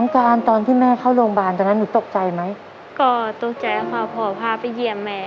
การตอนที่แม่เข้าโรงพยาบาลตอนนั้นหนูตกใจไหมก็ตกใจค่ะพอพาไปเยี่ยมแม่